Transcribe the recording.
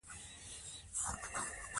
غریبې عیب نه دی.